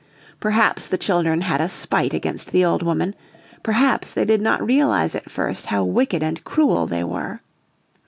Perhaps the children had a spite against the old woman, perhaps they did not realise at first how wicked and cruel they were.